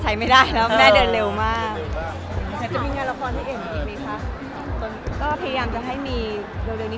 ท่าทางคนแก่เขาพยายามดูแม่